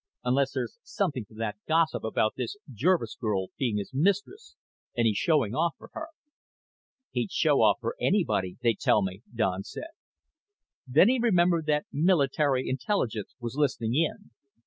Unless there's something to that gossip about this Jervis girl being his mistress and he's showing off for her." "He'd show off for anybody, they tell me," Don said. Then he remembered that Military Intelligence was listening in.